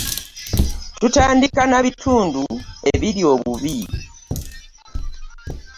Tutandika na bitundu ebiri obubi.